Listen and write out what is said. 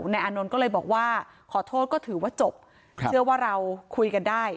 นายอานนท์ก็เลยบอกว่าขอโทษก็ถือว่าจบเชื่อว่าเราคุยกันได้